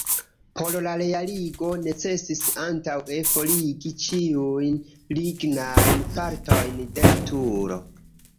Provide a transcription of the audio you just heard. Por la realigo necesis antaŭe forigi ĉiujn lignajn partojn de la turo.